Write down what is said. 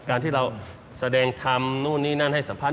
การที่เราแสดงทำนู่นนี่นั่นให้สัมภาษณ์